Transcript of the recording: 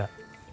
ya udah must